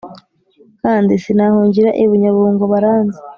kandi sinahungira ibunyabungo baranzi